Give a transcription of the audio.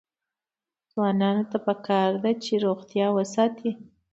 ځوانانو ته پکار ده چې، روغتیا وساتي.